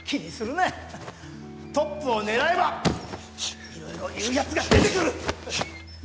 トップを狙えばいろいろ言う奴が出てくる。